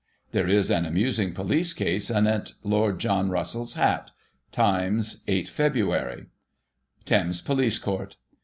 There is an amusing police case anent Lord John Russell's hat. — Times, 8 Feb. : Thames Police Court.